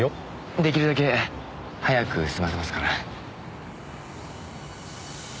出来るだけ早く済ませますから。